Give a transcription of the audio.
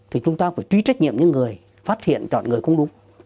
thì chúng ta phải trí trách nhiệm những người phát hiện chọn người không đúng